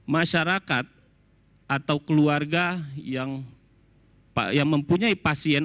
masyarakat atau keluarga yang mempunyai pasien